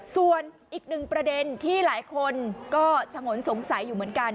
ส่วนอีกหนึ่งประเด็นที่หลายคนก็ฉงนสงสัยอยู่เหมือนกัน